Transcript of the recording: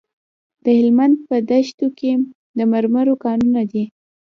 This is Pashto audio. د هلمند په دیشو کې د مرمرو کانونه دي.